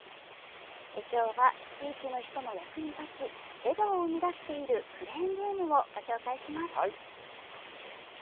今日は、地域の人の役に立ち笑顔を生み出しているクレーンゲームをご紹介します。